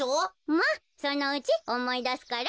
まっそのうちおもいだすから。